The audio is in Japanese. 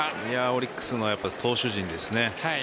オリックスの投手陣ですね。